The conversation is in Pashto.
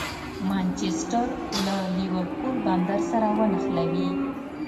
مانچسټر له لېورپول بندر سره ونښلوي.